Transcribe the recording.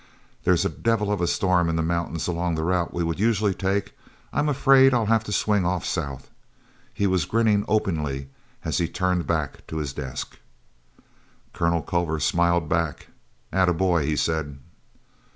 There's a devil of a storm in the mountains along the route we would usually take. I'm afraid I'll have to swing off south." He was grinning openly as he turned back to his desk. Colonel Culver smiled back. "Attaboy!" he said.